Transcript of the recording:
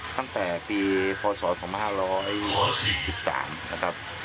ตั้งแต่ปีพศ๒๕๔๓นะครับ